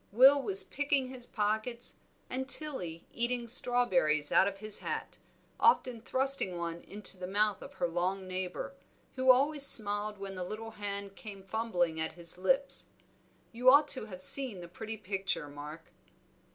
Will was picking his pockets, and Tilly eating strawberries out of his hat, often thrusting one into the mouth of her long neighbor, who always smiled when the little hand came fumbling at his lips. You ought to have seen the pretty picture, Mark."